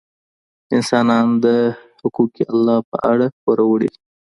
انسانان د حقوق الله په اړه پوروړي دي.